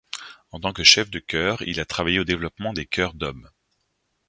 En tant que chef de chœur, il a travaillé au développement des chœurs d'hommes.